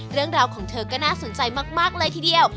เรื่องราวของเธอก็น่าสนใจมากเลยทีเดียว